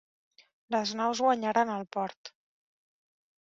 Les naus guanyaren el port.